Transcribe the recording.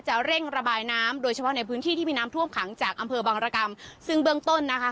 เร่งระบายน้ำโดยเฉพาะในพื้นที่ที่มีน้ำท่วมขังจากอำเภอบังรกรรมซึ่งเบื้องต้นนะคะ